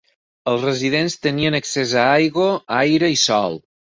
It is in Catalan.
Els residents tenien accés a aigua, aire i sol.